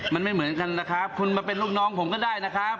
มันไม่เหมือนกันนะครับคุณมาเป็นลูกน้องผมก็ได้นะครับ